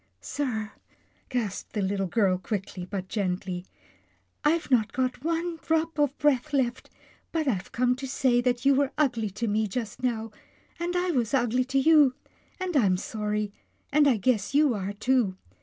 " Sir," gasped the little girl quickly, but gently, " I've not got one drop of breath left, but I've come to say that you were ugly to me just now, and I was ugly to you, but I'm sorry, and I guess you are, too.